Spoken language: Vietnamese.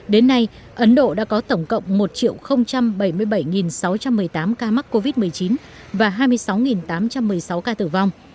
đến nay ấn độ đã có tổng cộng một bảy mươi bảy sáu trăm một mươi tám ca mắc covid một mươi chín và hai mươi sáu tám trăm một mươi sáu ca tử vong